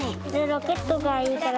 ロケットがいいから。